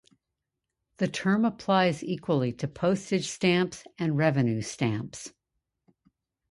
The term applies equally to postage stamps and revenue stamps.